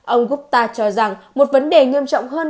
ông gutta cho rằng một vấn đề nghiêm trọng hơn